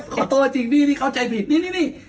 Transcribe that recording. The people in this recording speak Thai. ขอโทษจริงพี่เข้าใจผิดนี่